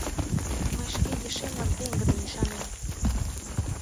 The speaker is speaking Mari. Мый шке ешемлан пеҥгыдын ӱшанем.